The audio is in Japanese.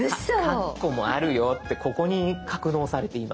カッコもあるよってここに格納されています。